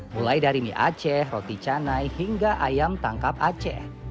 mulai dari mie aceh roti canai hingga ayam tangkap aceh